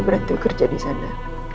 dia berhenti kerja disana